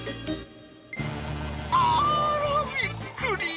あーら、びっくり！